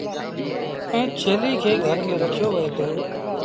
ائيٚݩ ڇيليٚ کي گھر ميݩ رکيو وهي دو۔